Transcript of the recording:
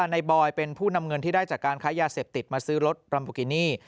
บอยเป็นผู้นำเงินที่ได้จากการค้ายาเสพติดมาซื้อรถรัมโบกินี่